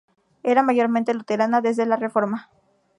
Era mayormente luterana desde la Reforma.